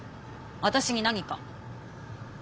私に何か？